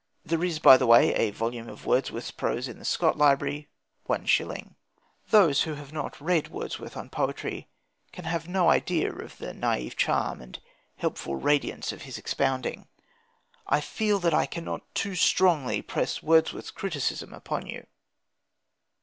There is, by the way, a volume of Wordsworth's prose in the Scott Library (1s.). Those who have not read Wordsworth on poetry can have no idea of the naïve charm and the helpful radiance of his expounding. I feel that I cannot too strongly press Wordsworth's criticism upon you.